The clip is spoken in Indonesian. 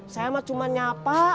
saya mah cuma nyapa